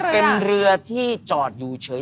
เป็นเรือที่จอดอยู่เฉย